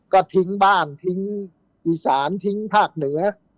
ก็ทิ้งบ้านทิ้งอีสานทิ้งภาคเหนือ